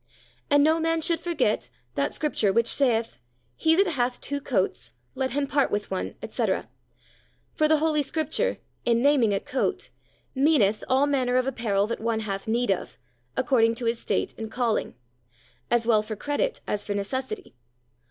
And no man should forget that Scripture which saith, "He that hath two coats, let him part with one," etc.; for the Holy Scripture, in naming a coat, meaneth all manner of apparel that one hath need of, according to his state and calling, as well for credit as for necessity.